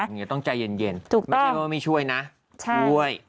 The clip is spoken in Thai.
อย่างนี้ต้องใจเย็นไม่ใช่ว่าไม่ช่วยนะช่วย